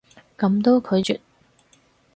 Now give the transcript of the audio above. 噉都拒絕？